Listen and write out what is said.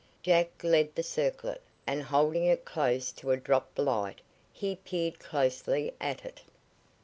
Jack lead the circlet, and holding it close to a drop light, he peered closely at it.